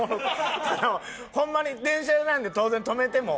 ホンマに電車なんで当然止めても。